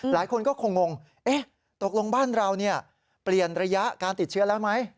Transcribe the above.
หลายคนก็คงงตกลงบ้านเราเปลี่ยนระยะการติดเชื้อแล้วไหม